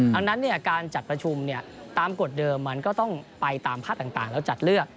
ดังนั้นการจัดประชุมตามกฎเดิมมันก็ต้องไปตามภาคต่างแล้วจัดเลือก